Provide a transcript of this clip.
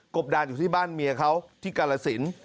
บดานอยู่ที่บ้านเมียเขาที่กาลสิน